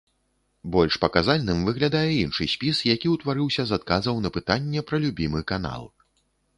Больш паказальным выглядае іншы спіс, які ўтварыўся з адказаў на пытанне пра любімы канал.